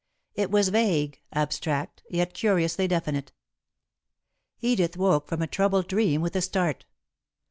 It was vague, abstract, yet curiously definite. Edith woke from a troubled dream with a start.